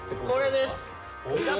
これです。